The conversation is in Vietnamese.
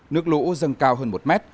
nước lũ dâng cao hơn một mét